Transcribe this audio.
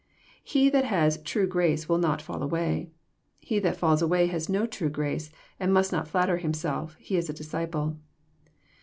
He that has true grace will not fall away. He that falls away has no true grace, and must not flatter him self he is a disciple.